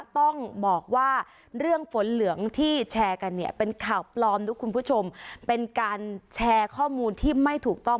ต้องบอกว่าเรื่องฝนเหลืองที่แชร์กันเนี่ยเป็นข่าวปลอมด้วยคุณผู้ชมเป็นการแชร์ข้อมูลที่ไม่ถูกต้อง